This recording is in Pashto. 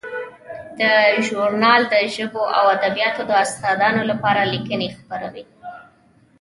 دا ژورنال د ژبو او ادبیاتو د استادانو لپاره لیکنې خپروي.